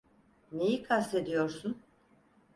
Neyi kastediyorsun?